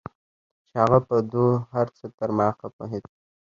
چې هغه په دو هرڅه تر ما ښه پوهېدو.